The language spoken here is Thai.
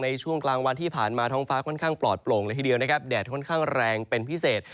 ในช่วงกลางวันที่ผ่านมาท้องฟ้าค่อนข้างปลอดโปร่งเลยทีเดียวนะครับแดดค่อนข้างแรงเป็นพิเศษ